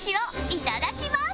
いただきます！